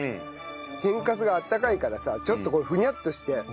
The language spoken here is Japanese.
天かすが温かいからさちょっとこうフニャッとして。